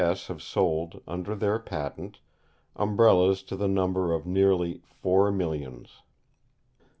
S. have sold, under their patent, Umbrellas to the number of nearly four millions.